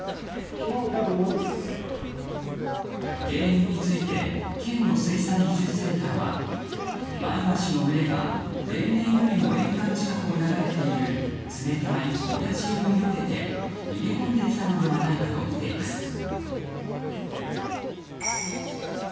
原因について県の水産技術センターはマイワシの群れが例年よりも沿岸近くを流れている冷たい親潮をよけて逃げ込んできたのではないかとみています。